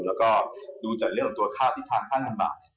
แล้วก็ดูจากเรื่องของค่าอธิษฐานทั้งหมาย